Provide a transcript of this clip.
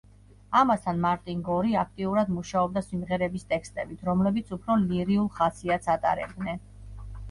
ამასთან, მარტინ გორი აქტიურად მუშაობდა სიმღერების ტექსტებით, რომლებიც უფრო ლირიულ ხასიათს ატარებდნენ.